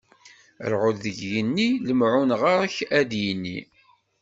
Ṛṛɛud deg yigenni, lemɛun ɣer-k ad yini!